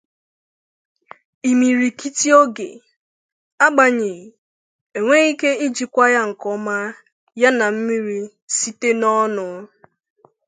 Imirikiti oge; agbanyeghị, enwere ike ijikwa ya nke ọma yana mmiri site na ọnụ.